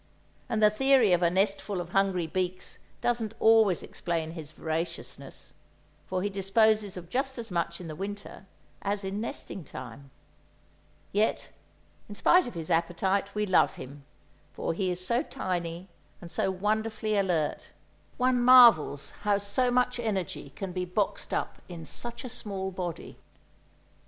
And the theory of a nestful of hungry beaks doesn't always explain his voraciousness; for he disposes of just as much in the winter as in nesting time. Yet, in spite of his appetite, we love him, for he is so tiny and so wonderfully alert; one marvels how so much energy can be boxed up in such a small body.